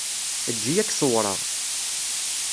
Eǧǧ-iyi ad k-ṣewwreɣ.